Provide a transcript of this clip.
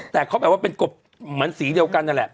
แต่เขาแบบว่าเป็นกบเหมือนสีเดียวกันนั่นแหละ